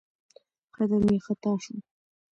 قدم يې خطا شو.